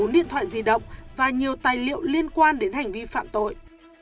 bốn điện thoại di động và nhiều tài liệu liên quan đến hành vi phạm tội